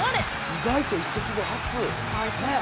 意外と移籍後初。